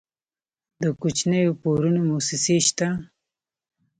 د کوچنیو پورونو موسسې شته؟